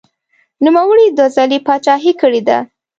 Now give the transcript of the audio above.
نوموړي دوه ځلې پاچاهي کړې ده.